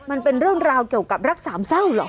มันเป็นเรื่องราวเกี่ยวกับรักสามเศร้าเหรอ